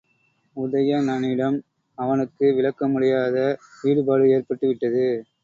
உதயணனிடம் அவனுக்கு விலக்க முடியாத ஈடுபாடு ஏற்பட்டுவிட்டது.